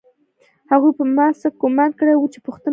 هغوی په ما څه ګومان کړی و چې پوښتنه کوي